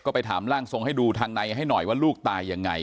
ก็ไปถามร่างทรงให้ดูทางในให้หน่อยว่าลูกตายยังไง